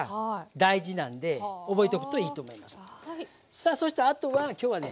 さあそしたらあとは今日はね